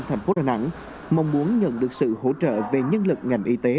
thành phố đà nẵng mong muốn nhận được sự hỗ trợ về nhân lực ngành y tế